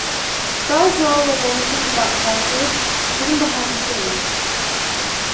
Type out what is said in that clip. Belle's role was anything but passive, even behind the scenes.